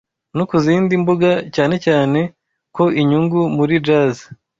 no ku zindi mbuga, cyane cyane ko inyungu muri jaz